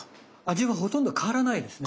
味はほとんど変わらないですね。